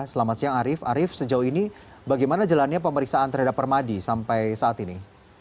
selamat siang arief arief sejauh ini bagaimana jalannya pemeriksaan terhadap permadi sampai saat ini